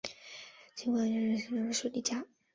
贾让是西汉著名水利家。